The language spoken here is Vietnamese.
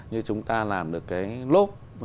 như chúng ta làm được cái lốp